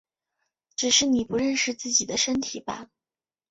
只是你不认识自己的身体吧！